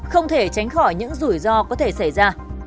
không thể tránh khỏi những rủi ro có thể xảy ra